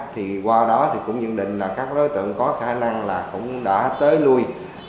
thì qua đó thì cũng nhận định là các đối tượng có khả năng là cũng đã tới lui